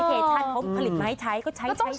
แอปพลิเคชันเพราะผลิตไม้ใช้ก็ใช้ใช้ซะ